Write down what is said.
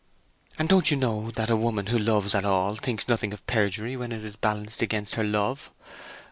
And don't you know that a woman who loves at all thinks nothing of perjury when it is balanced against her love?